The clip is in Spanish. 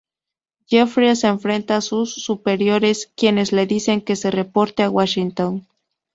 Jeffries enfrenta a sus superiores, quienes le dicen que se reporte a Washington.